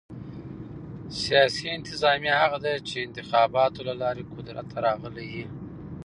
سیاسي انتظامیه هغه ده، چي انتخاباتو له لاري قدرت ته راغلي يي.